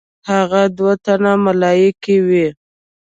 هغه دوه تنه ملایکې وې.